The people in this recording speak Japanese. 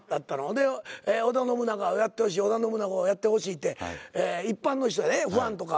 で織田信長をやってほしい織田信長をやってほしいって一般の人やでファンとか。